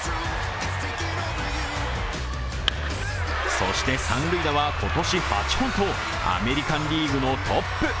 そして三塁打は今年８本とアメリカンリーグのトップ。